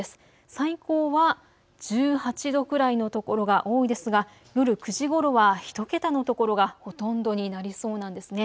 最高は１８度くらいの所が多いですが夜９時ごろは１桁の所がほとんどになりそうなんですね。